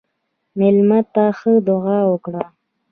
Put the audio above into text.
مېلمه ته ښه دعا وکړه.